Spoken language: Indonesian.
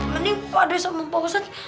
mending pak d sama pak ustadz